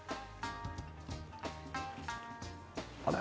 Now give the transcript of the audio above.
あれ？